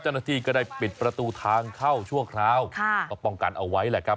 เจ้าหน้าที่ก็ได้ปิดประตูทางเข้าชั่วคราวก็ป้องกันเอาไว้แหละครับ